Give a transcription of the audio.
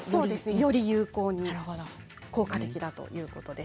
より効果的だということです。